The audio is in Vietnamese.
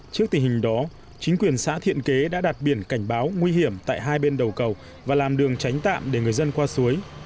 trước tình hình đó chính quyền xã thiện kế đã đặt biển cảnh báo nguy hiểm tại hai bên đầu cầu và làm đường tránh tạm để người dân qua suối